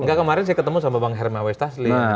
enggak kemarin saya ketemu sama bang hermawestasli